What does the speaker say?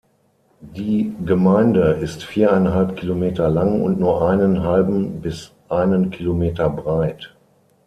Die Gemeinde ist viereinhalb Kilometer lang und nur einen halben bis einen Kilometer breit.